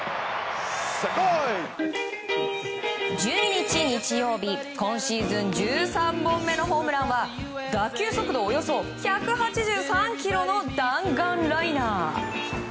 １２日、日曜日今シーズン１３本目のホームランは打球速度およそ１８３キロの弾丸ライナー。